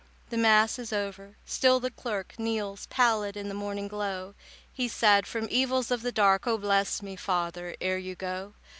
The Mass is over—still the clerk Kneels pallid in the morning glow. He said, "From evils of the dark Oh, bless me, father, ere you go.